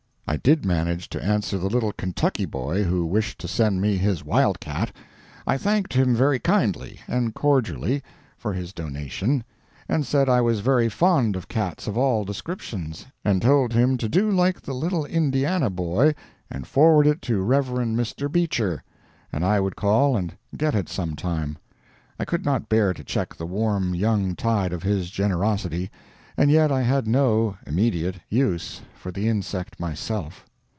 I did manage to answer the little Kentucky boy who wished to send me his wildcat. I thanked him very kindly and cordially for his donation, and said I was very fond of cats of all descriptions, and told him to do like the little Indiana boy and forward it to Rev. Mr. Beecher, and I would call and get it some time. I could not bear to check the warm young tide of his generosity, and yet I had no (immediate) use for the insect myself.